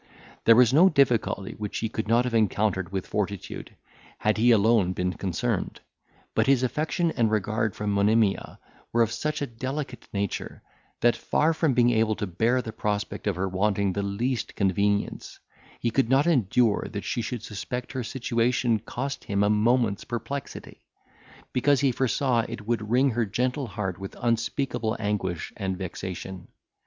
There was no difficulty which he could not have encountered with fortitude, had he alone been concerned. But his affection and regard for Monimia were of such a delicate nature, that, far from being able to bear the prospect of her wanting the least convenience, he could not endure that she should suspect her situation cost him a moment's perplexity; because he foresaw it would wring her gentle heart with unspeakable anguish and vexation.